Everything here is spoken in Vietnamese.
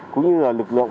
cũng như lực lượng